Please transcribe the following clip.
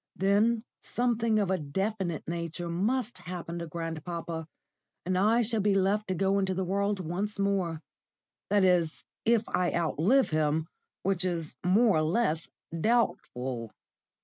"Then something of a definite nature must happen to grandpapa, and I shall be left to go into the world once more that is, if I outlive him, which is more or less doubtful."